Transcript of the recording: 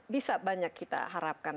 bisa banyak kita harapkan